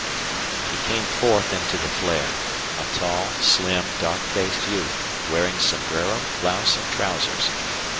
He came forth into the flare a tall, slim, dark faced youth, wearing sombrero, blouse and trousers.